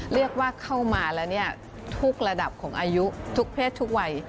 เรียกว่าเข้ามาแล้วทุกระดับของอายุทุกเพศทุกวัย